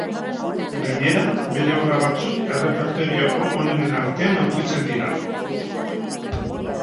Gainera, bere obra batzuk errepertorioko onenen artean aurkitzen dira.